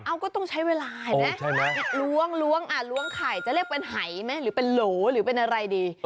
เอาก็ต้องใช้เวลาเห็นไหมล้วงล้วงไข่จะเรียกเป็นหายไหมหรือเป็นโหลหรือเป็นอะไรดี